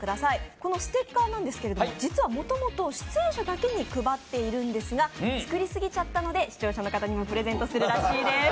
このステッカーなんですけれども実は元々出演者だけに配っているんですが作りすぎちゃったので視聴者の方にもプレゼントするらしいです